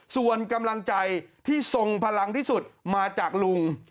ส่วนกำลังใจที่ทรงพลังที่สุดมาจากลุง